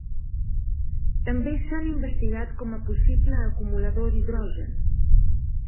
També s'han investigat com a possible acumulador d'hidrogen.